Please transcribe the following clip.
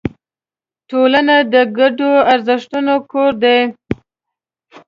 ټولنه د ګډو ارزښتونو کور دی.